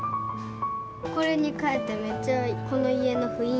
これにかえてめっちゃこの家の雰囲気が変わった。